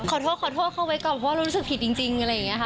ขอโทษเข้าไว้ก่อนเพราะว่าเรารู้สึกผิดจริงอะไรอย่างเงี้ยค่ะ